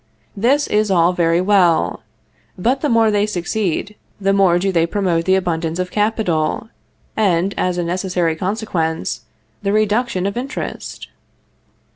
This is all very well; but the more they succeed, the more do they promote the abundance of capital, and, as a necessary consequence, the reduction of interest?